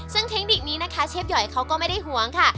ซึ่งเทคนิคนี้นะคะเชฟหอยเขาก็ไม่ได้ห่วงค่ะ